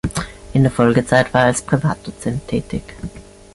In der Folgezeit war er als Privatdozent tätig.